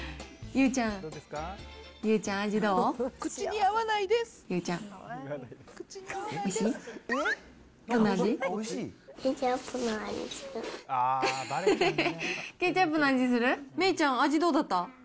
めいちゃん、味どうだった？